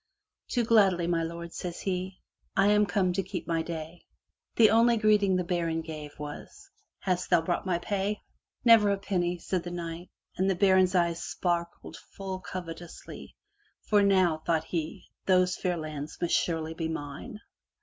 "Do gladly, my lord,'* says he. "I am come to keep my day.'* The only greeting the baron gave, was, "Hast thou brought my pay? "Never a penny, said the knight and the baron*s eyes sparkled full covetously. "For now, thought he, "those fair lands must surely be mine.